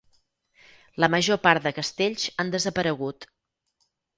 La major part de castells han desaparegut.